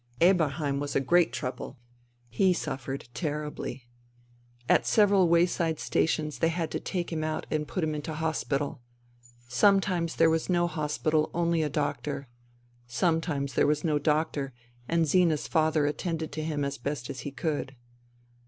Eberheim was a great trouble. He suffered terribly. At several wayside stations they had to take him out and put him into hospital. Sometimes there was no hospital, only a doctor. Sometimes there was no doctor, and Zina's father attended to him as best he could.